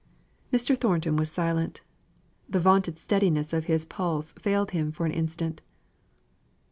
Mr. Thornton was silent. The vaunted steadiness of pulse failed him for an instant.